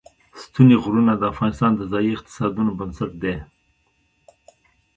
ستوني غرونه د افغانستان د ځایي اقتصادونو بنسټ دی.